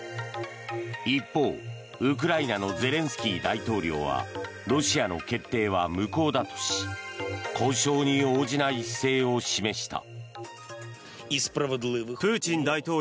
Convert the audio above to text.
一方、ウクライナのゼレンスキー大統領はロシアの決定は無効だとし交渉に応じない姿勢を示した。